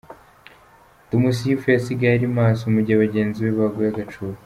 Tumusifu yasigaye ari maso mu gihe bagenzi be baguye agacuho.